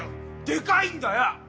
でかいんだよ！